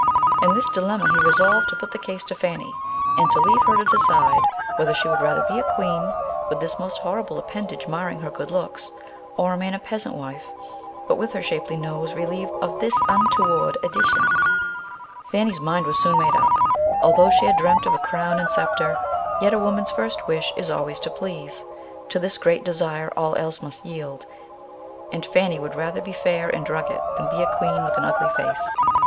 In this dilemma he resolved to put the case to Fanny, and to leave her to decide whether she would rather be a Queen, with this most horrible appendage marring her good looks, or remain a peasant wife, but with her shapely nose relieved of this untoward addition. [Illustration: "TRUTH TO TELL, THIS NEW ORNAMENT DID NOT SET OFF HER BEAUTY"] Fanny's mind was soon made up: although she had dreamt of a crown and sceptre, yet a woman's first wish is always to please. To this great desire all else must yield, and Fanny would rather be fair in drugget than be a Queen with an ugly face.